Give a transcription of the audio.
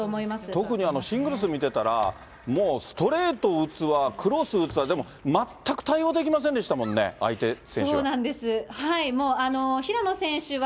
特に、シングルス見てたら、ストレート打つわ、クロス打つわ、でも、全く対応できませんでしたもんね、相手選手は。